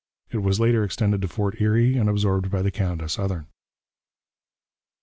It was later extended to Fort Erie and absorbed by the Canada Southern.